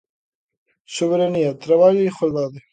Soberanía, Traballo e Igualdade.